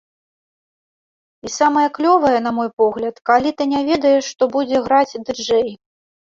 І самае клёвае, на мой погляд, калі ты не ведаеш, што будзе граць ды-джэй.